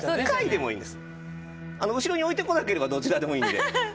後ろにおいてこなければどちらでもいいので。